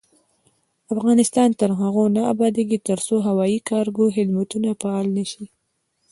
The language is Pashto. افغانستان تر هغو نه ابادیږي، ترڅو هوایي کارګو خدمتونه فعال نشي.